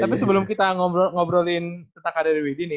tapi sebelum kita ngobrolin tentang karir wid ini